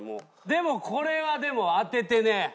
でもこれは当ててね。